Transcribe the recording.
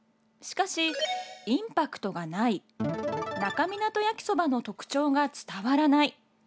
しかし、インパクトがない那珂湊焼きそばの特徴が伝わらない。